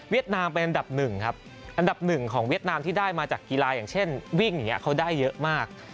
เวียดนามเป็นอันดับ๑ครับอันดับ๑ของเวียดนามที่ได้มาจากกีฬาอย่างเช่นวิ่งเขาได้เยอะมาก